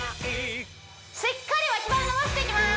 しっかり脇腹伸ばしていきます